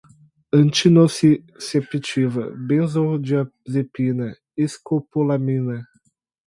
antinociceptiva, benzodiazepinas, escopolamina